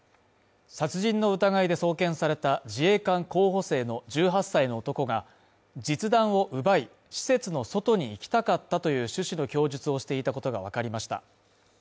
殺人の疑いで送検された自衛官候補生の１８歳の男が実弾を奪い、施設の外に行きたかったという趣旨の供述をしていたことがわかりました。